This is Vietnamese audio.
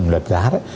luật giá đó